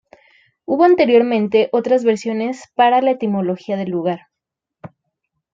Hubo anteriormente otras versiones para la etimología del lugar.